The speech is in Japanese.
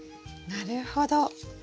なるほど。